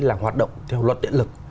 là hoạt động theo luật điện lực